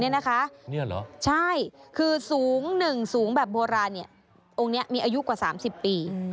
นี่เหรอใช่คือสูง๑สูงแบบโบราณองค์นี้มีอายุกว่า๓๐ปี